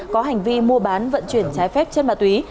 có hành vi mua bán vận chuyển trái phép chất ma túy